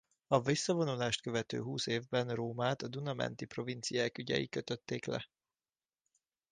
A visszavonulást követő húsz évben Rómát a Duna menti provinciák ügyei kötötték le.